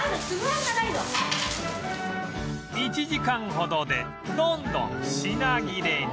１時間ほどでどんどん品切れに